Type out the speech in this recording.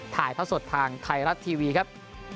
ถ่ายท่อสดทางไทยรัฐทีวีครับ